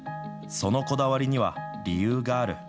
そのこだわりには理由がある。